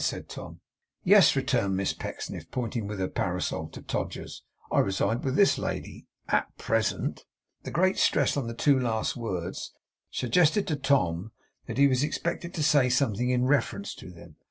said Tom 'Yes,' returned Miss Pecksniff, pointing with her parasol to Todgers's; 'I reside with this lady, AT PRESENT.' The great stress on the two last words suggested to Tom that he was expected to say something in reference to them.